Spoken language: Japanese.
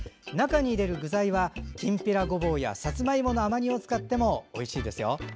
中に入れる具材はきんぴらごぼうやさつまいもの甘煮を使ってもおいしいですよ。